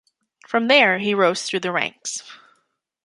From there, he rose through the ranks.